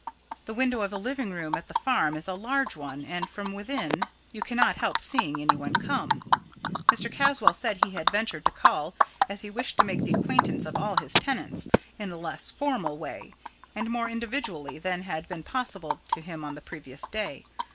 The window of the living room at the farm is a large one, and from within you cannot help seeing anyone coming. Mr. Caswall said he had ventured to call, as he wished to make the acquaintance of all his tenants, in a less formal way, and more individually, than had been possible to him on the previous day.